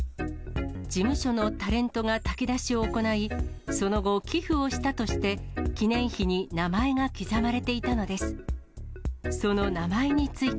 事務所のタレントが炊き出しを行い、その後、寄付をしたとして、記念碑に名前が刻まれていたのです。